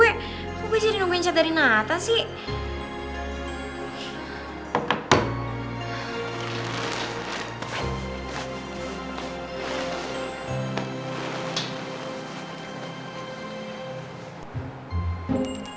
eh kok gue jadi nungguin cedera rinata sih